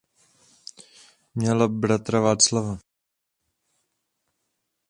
Měla bratra Václava.